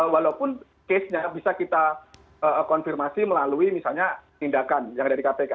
walaupun case nya bisa kita konfirmasi melalui misalnya tindakan yang ada di kpk